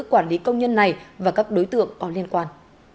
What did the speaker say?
quản lý công nhân này và các đối tượng có liên quan